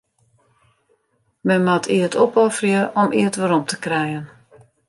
Men moat eat opofferje om eat werom te krijen.